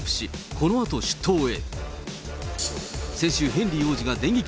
このあと出頭へ。